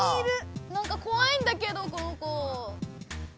なんかこわいんだけどこの子。